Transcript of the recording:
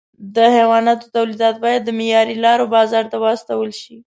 د حیواناتو تولیدات باید له معیاري لارو بازار ته واستول شي.